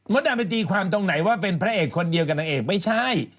ดำไปตีความตรงไหนว่าเป็นพระเอกคนเดียวกับนางเอกไม่ใช่